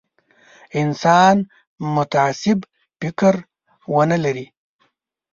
انسان متعصب فکر ونه لري.